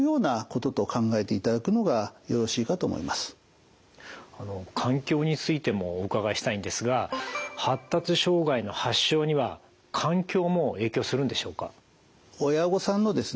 従って環境についてもお伺いしたいんですが発達障害の発症には環境も影響するんでしょうか？